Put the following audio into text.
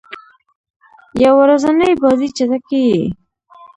یو ورځنۍ بازۍ چټکي يي.